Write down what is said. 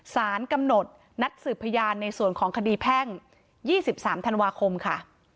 สารกำหนดนัดสืบพยานในส่วนของคดีแพ่ง๒๓ธันวาคมค่ะ